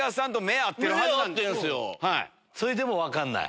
それでも分かんない？